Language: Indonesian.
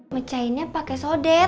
mecahinnya pake sodet